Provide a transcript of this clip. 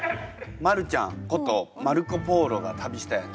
マルちゃんことマルコ・ポーロが旅したやつ。